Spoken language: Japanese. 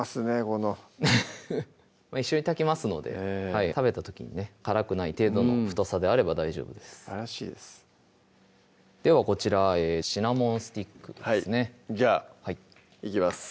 このフフッ一緒に炊きますので食べた時にね辛くない程度の太さであれば大丈夫ですすばらしいですではこちらシナモンスティックですねじゃあいきます